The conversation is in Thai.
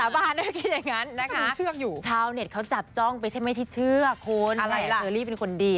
ไม่สังเกตหน่อยเถอะเชือกก็ไหวไป